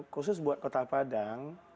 khusus buat kota padang